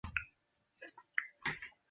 枯立木形成于树木死亡一定时间后。